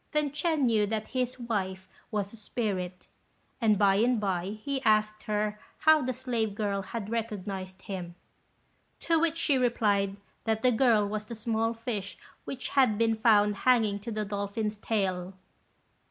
Then Ch'ên knew that his wife was a spirit, and by and by he asked her how the slave girl had recognised him; to which she replied, that the girl was the small fish which had been found hanging to the dolphin's tail.